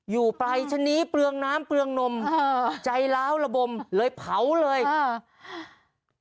อยู่ไปชะนี้เปลืองน้ำเปลืองนมเออใจล้าวระบมเลยเผาเลยเออ